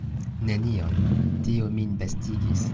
Nenion; tio min bestigis.